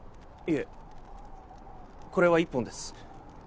いえこれは１本です